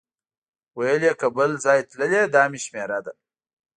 ویل یې که بل ځای تللی دا مې شمېره ده.